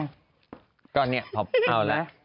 ก็อันนี้เอาแล้วนะครับเอาแล้วนะครับเอาแล้วนะครับ